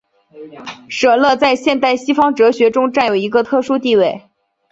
舍勒在现代西方哲学中占有一个特殊地位。